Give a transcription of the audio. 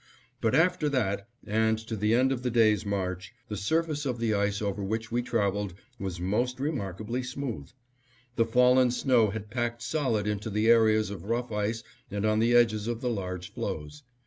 But after that, and to the end of the day's march, the surface of the ice over which we traveled was most remarkably smooth. The fallen snow had packed solid into the areas of rough ice and on the edges of the large floes.